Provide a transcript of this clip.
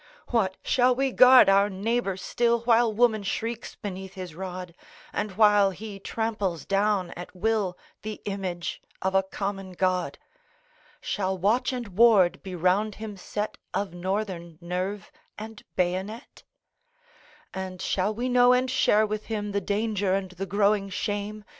What! shall we guard our neighbor still, While woman shrieks beneath his rod, And while he trampels down at will The image of a common God? Shall watch and ward be round him set, Of Northern nerve and bayonet? And shall we know and share with him The danger and the growing shame?